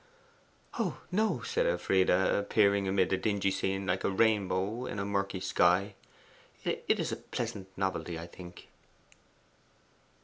'Oh no,' said Elfride, appearing amid the dingy scene like a rainbow in a murky sky. 'It is a pleasant novelty, I think.